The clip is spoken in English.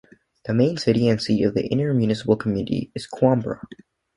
The main city and seat of the intermunicipal community is Coimbra.